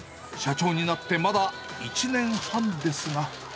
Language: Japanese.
社長になってまだ１年半ですが。